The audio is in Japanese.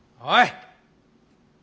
はい。